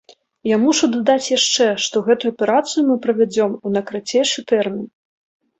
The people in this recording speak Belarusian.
Я мушу дадаць яшчэ, што гэтую аперацыю мы правядзём у найкарацейшы тэрмін.